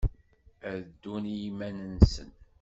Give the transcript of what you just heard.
Ad ddun i yiman-nsen.